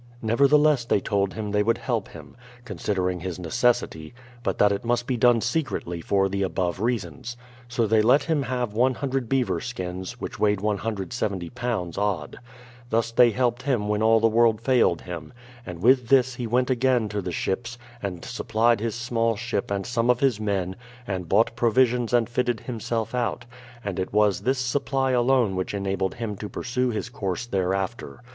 Nevertheless, they told him they would help him, considering his necessity ; but that it must be done secretly for the above reasons. So they let him have loo beaver skins, which weighed 170 lbs. odd. Thus they helped him when all the world failed him; and with this he went again to the ships, and supplied his small ship and some of his THE PLYMOUTH SETTLEMENT 115 men, and bought provisions and fitted himself out; and it was this supply alone which enabled him to pursue his course thereafter.